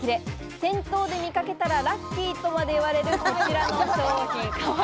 店頭で見かけたらラッキーとまでいわれる、こちらの商品。